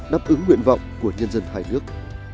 nắp ứng nguyện vọng của nhân dân hải nước